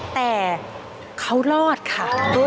แต่เขารอดค่ะ